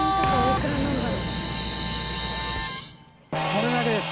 これだけです。